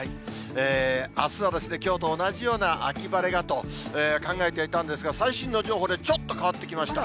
あすはきょうと同じような秋晴れだと考えていたんですが、最新の情報でちょっと変わってきました。